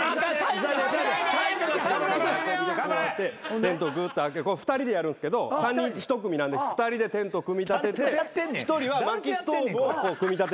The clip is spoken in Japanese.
テントグーッと開け２人でやるんすけど３人１組なんで２人でテント組み立てて１人はまきストーブを組み立てるんですよ。